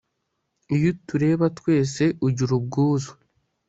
iyo utureba twese, ugira ubwuzu